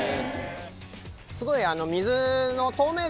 すごい。